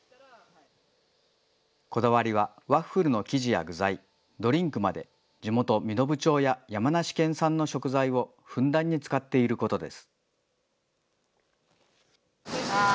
こだわりはワッフルの生地や具材、ドリンクまで、地元、身延町や山梨県産の食材をふんだんに使っていることです。